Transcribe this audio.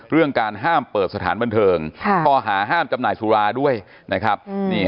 เรื่องการห้ามเปิดสถานบันเทิงข้อหาห้ามจำหน่ายสุราด้วยนะครับ